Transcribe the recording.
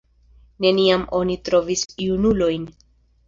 Neniam oni trovis junulojn.